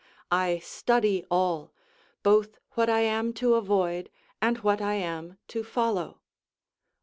I study all, both what I am to avoid and what I am to follow.